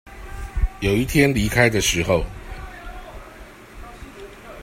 有一天離開的時候